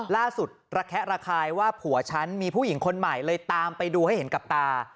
ระแคะระคายว่าผัวฉันมีผู้หญิงคนใหม่เลยตามไปดูให้เห็นกับตา